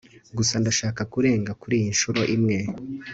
gusa ndashaka kurenga kuriyi nshuro imwe